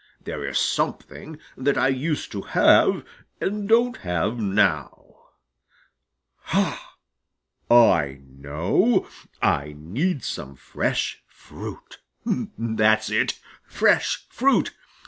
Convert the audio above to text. There is something that I used to have and don't have now. Ha! I know! I need some fresh fruit. That's it fresh fruit!